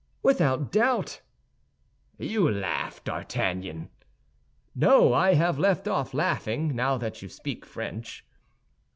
"Without doubt." "You laugh, D'Artagnan." "No, I have left off laughing, now that you speak French."